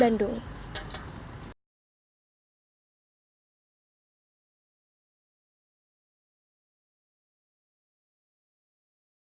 berita terkini dari kabupaten bandung